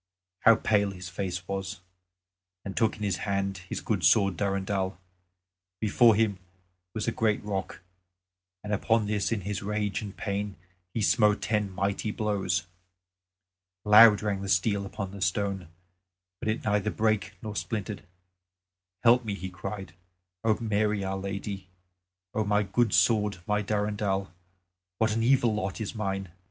how pale his face was! and took in his hand his good sword Durendal. Before him was a great rock and on this in his rage and pain he smote ten mighty blows. Loud rang the steel upon the stone; but it neither brake nor splintered. "Help me," he cried, "O Mary, our Lady! O my good sword, my Durendal, what an evil lot is mine!